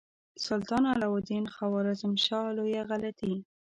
سلطان علاء الدین خوارزمشاه لویه غلطي.